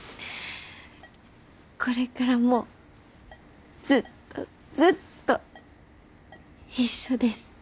これからもずっとずっと一緒です。